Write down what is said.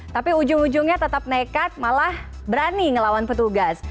tapi ujung ujungnya tetap nekat malah berani ngelawan petugas